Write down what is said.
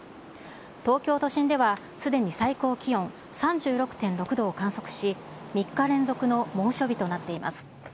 東京都心ではすでに最高気温３６．６度を観測し、３日連続の猛暑日となっています。